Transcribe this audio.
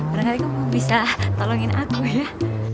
barangkali kamu bisa tolongin aku ya